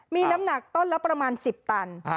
มีน้ำหนักต้นละประมาณ๑๐ตัน